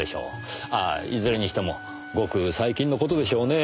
ああいずれにしてもごく最近の事でしょうね。